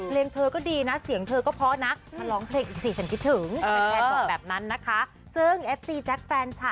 เรียงเธอก็ดีนะเสียงเธอก็เพราะนะ